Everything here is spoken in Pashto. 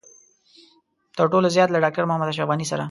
تر ټولو زيات له ډاکټر محمد اشرف غني سره.